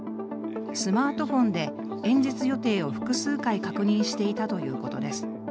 スマートフォンで演説予定を複数回確認していたということです。